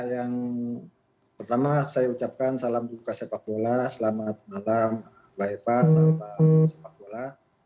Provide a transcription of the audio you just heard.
yang pertama saya ucapkan salam duka sepak bola selamat malam mbak eva salam sepak bola